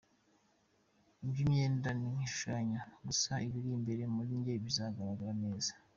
Iby’imyenda ni nk’ishushanya gusa ibiri imbere muri njye bizigaragaza neza”.